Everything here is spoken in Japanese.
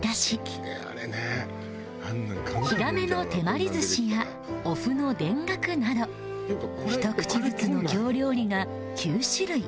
ヒラメの手まり寿司やお麩の田楽などひと口ずつの京料理が９種類